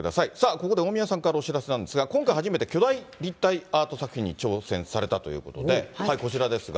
ここで大宮さんからお知らせなんですが、今回初めて巨大立体アート作品に挑戦されたということで、こちらですが。